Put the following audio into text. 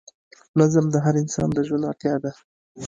نظم د هر انسان د ژوند اړتیا ده.